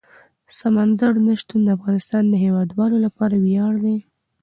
سمندر نه شتون د افغانستان د هیوادوالو لپاره ویاړ دی.